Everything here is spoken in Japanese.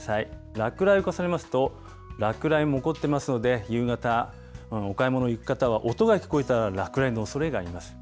落雷を重ねますと、落雷も起こってますので、夕方、お買い物行く方は音が聞こえたら落雷のおそれがあります。